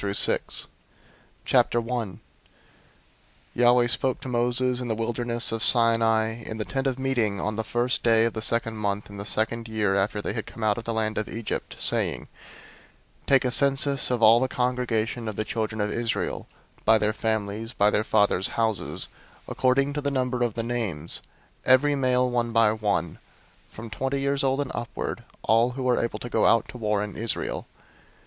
Book 04 Numbers 001:001 Yahweh spoke to Moses in the wilderness of Sinai, in the Tent of Meeting, on the first day of the second month, in the second year after they had come out of the land of Egypt, saying, 001:002 "Take a census of all the congregation of the children of Israel, by their families, by their fathers' houses, according to the number of the names, every male, one by one; 001:003 from twenty years old and upward, all who are able to go out to war in Israel.